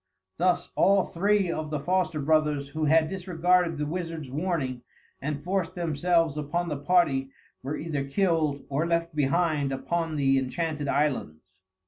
Thus all three of the foster brothers who had disregarded the wizard's warning, and forced themselves upon the party, were either killed or left behind upon the enchanted islands.